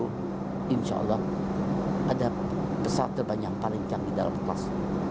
r delapan puluh insya allah ada pesawat terbanyak paling canggih dalam kelas